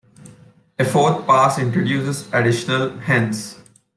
A fourth pass introduces additional hens.